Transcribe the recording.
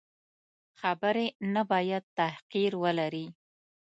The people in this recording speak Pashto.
خبرې نه باید تحقیر ولري.